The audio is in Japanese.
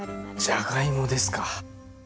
じゃがいもですか。